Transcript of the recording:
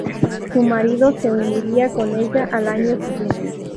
Su marido se uniría con ella al año siguiente.